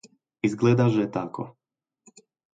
Izgleda že tako.